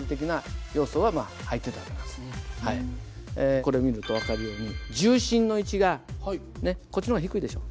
これ見ると分かるように重心の位置がこっちの方が低いでしょ？